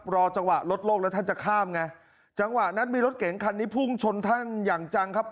รอจังหวะรถโลกแล้วท่านจะข้ามไงจังหวะนั้นมีรถเก๋งคันนี้พุ่งชนท่านอย่างจังครับ